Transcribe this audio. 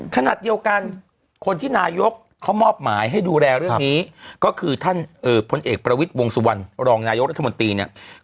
ขณะเดียวกันคนที่นายกเขามอบหมายให้ดูแลเรื่องนี้ก็คือท่านพลเอกประวิทย์วงสุวรรณรองนายกรัฐมนตรีเนี่ย